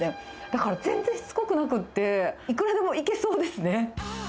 だから全然しつこくなくって、いくらでもいけそうですね。